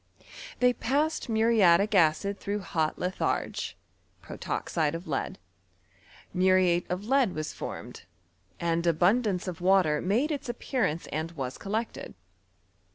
l^ey passed muriatic acid tbroiigh hot litharge (protoxide of lead); muriate of lead was formed, and abnndance of water made its appearance and wa3 collected.